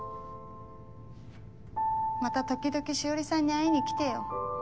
また時々紫織さんに会いに来てよ。